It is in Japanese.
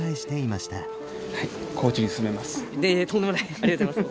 ありがとうございます。